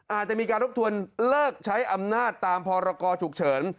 อาจจะมีการรบกวนเลิกใช้อำนาจตามพรกรฉุกเฉิน